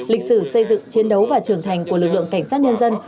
lịch sử xây dựng chiến đấu và trưởng thành của lực lượng cảnh sát nhân dân